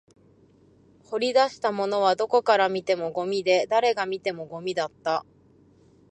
掘り出したものはどこから見てもゴミで、誰が見てもゴミだった